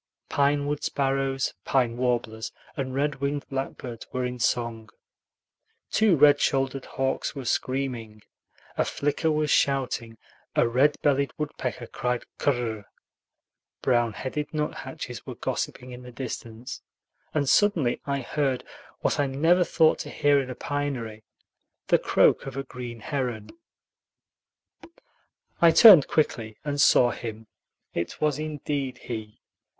Pine wood sparrows, pine warblers, and red winged blackbirds were in song; two red shouldered hawks were screaming, a flicker was shouting, a red bellied woodpecker cried kur r r r, brown headed nuthatches were gossiping in the distance, and suddenly I heard, what I never thought to hear in a pinery, the croak of a green heron. I turned quickly and saw him. It was indeed he.